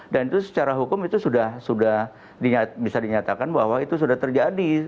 dan itu secara hukum itu sudah bisa dinyatakan bahwa itu sudah terjadi